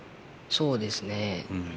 そうですね。